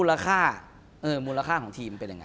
มูลค่ามูลค่าของทีมเป็นยังไง